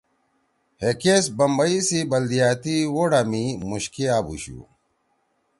ہے کیس بمبئ سی بلدیاتی ووٹا می مُوشکے آبُوشُو